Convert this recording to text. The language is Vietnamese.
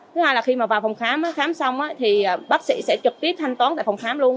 thứ hai là khi mà vào phòng khám xong thì bác sĩ sẽ trực tiếp thanh toán tại phòng khám luôn